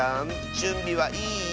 じゅんびはいい？